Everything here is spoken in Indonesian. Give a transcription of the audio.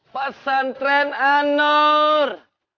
pesan tren anur